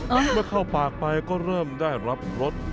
ไม่ให้มันเข้าปากไปก็เริ่มได้รับรส